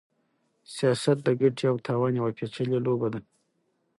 سياست د ګټې او تاوان يوه پېچلې لوبه ده.